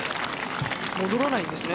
戻らないんですね。